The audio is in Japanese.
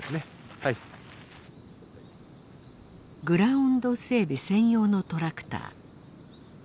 グラウンド整備専用のトラクター。